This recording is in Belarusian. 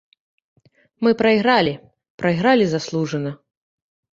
Мы прайгралі, прайгралі заслужана.